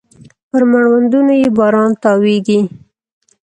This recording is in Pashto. پر مړوندونو يې باران تاویږې